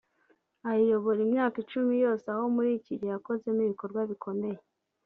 ayiyobora imyaka icumi yose aho muri iki gihe yakozemo ibikorwa bikomeye